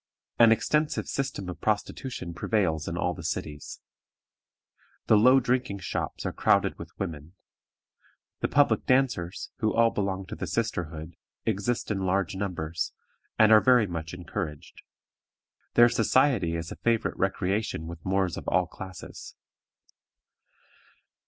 An extensive system of prostitution prevails in all the cities. The low drinking shops are crowded with women. The public dancers, who all belong to the sisterhood, exist in large numbers, and are very much encouraged. Their society is a favorite recreation with Moors of all classes.